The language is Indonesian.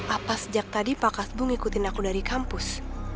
apa sejak tadi pakas bul ngikutin aku dari kampus